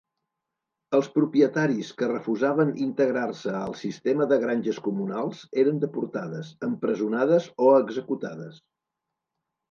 Els propietaris que refusaven integrar-se al sistema de granges comunals eren deportades, empresonades o executades.